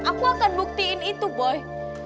aku akan buktiin itu boy